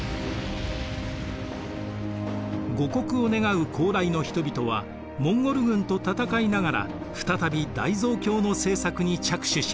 護国を願う高麗の人々はモンゴル軍と戦いながら再び大蔵経の製作に着手します。